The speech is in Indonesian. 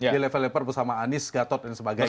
dia level upper bersama anies gatot dan sebagainya